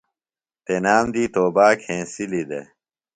تنام دی توباک ہنسِلیۡ دےۡ۔